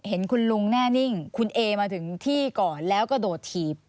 เห็นคุณลุงแน่นิ่งคุณเอมาถึงที่ก่อนแล้วกระโดดถีบ